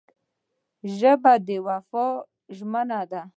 ژبه د وفا ژمنه ده